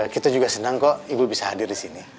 kita juga senang kok ibu bisa hadir di sini